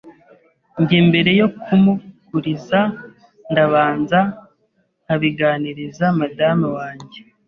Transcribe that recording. njye mbere yo kumuguriza, ndabanza nkabiganiriza Madame wanjye